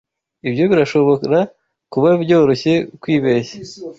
Ibyo birashobora kuba byoroshye kwibeshya.